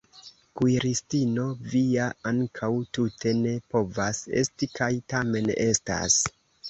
Kuiristino vi ja ankaŭ tute ne povas esti kaj tamen estas!